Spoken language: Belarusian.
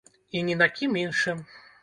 І ні на кім іншым.